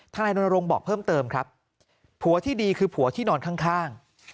นายรณรงค์บอกเพิ่มเติมครับผัวที่ดีคือผัวที่นอนข้าง